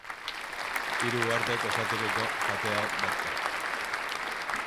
Hiru uhartek osaturiko katea bat da.